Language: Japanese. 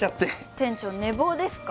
店長寝坊ですか？